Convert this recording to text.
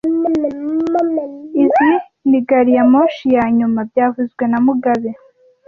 Izoi ni gari ya moshi ya nyuma byavuzwe na mugabe